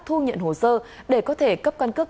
thu nhận hồ sơ để có thể cấp quan cấp